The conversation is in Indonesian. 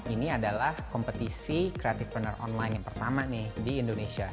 ini adalah kompetisi creative partner online yang pertama nih di indonesia